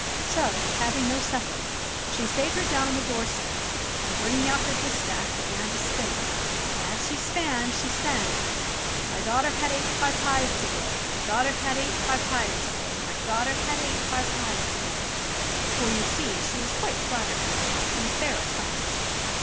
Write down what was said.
So, having no supper, she sate her down on the doorstep, and, bringing out her distaff, began to spin. And as she span she sang : "My daughter ha' ate five pies to day, My daughter ha' ate five pies to day, My daughter ha' ate five pies to day," for, see you, she was quite flabbergasted and fair astonished.